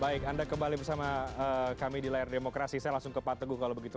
baik anda kembali bersama kami di layar demokrasi saya langsung ke pak teguh kalau begitu